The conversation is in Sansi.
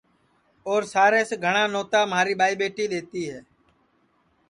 اور سارے سے گھٹؔا نوتا مہاری ٻائی ٻیٹی دؔیتی ہے